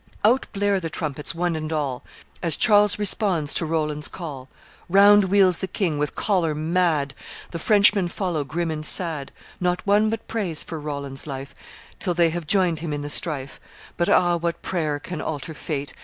Out blare the trumpets, one and all, As Charles responds to Roland's call. Round wheels the king, with choler mad, The Frenchmen follow grim and sad; Not one but prays for Roland's life, Till they have joined him in the strife. But ah! what prayer can alter fate?